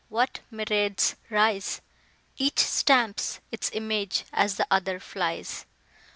what myriads rise! Each stamps its image as the other flies!